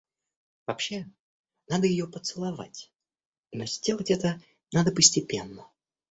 Вообще надо её поцеловать, но сделать это надо постепенно.